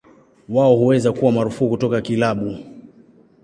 Wao huweza kuwa marufuku kutoka kilabu.